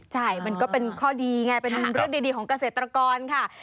ใช่มันก็เป็นข้อดีไงเป็นเรื่องดีของเกษตรกรค่ะ